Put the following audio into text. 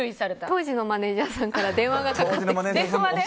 当時のマネジャーさんから電話がかかってきて。